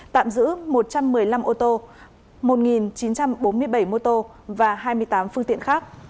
tạm giữ một trăm một mươi năm ô tô một chín trăm bốn mươi bảy mô tô và hai mươi tám phương tiện khác